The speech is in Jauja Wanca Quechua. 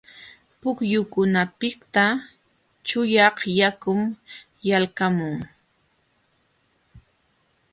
Pukyukunapiqta chuyaq yakun yalqamun.